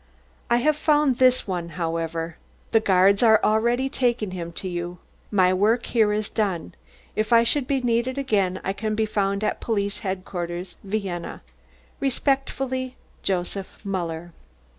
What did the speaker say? I have found this one however. The guards are already taking him to you. My work here is done. If I should be needed again I can be found at Police Headquarters, Vienna. "Respectfully, "JOSEPH MULLER."